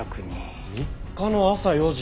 ３日の朝４時。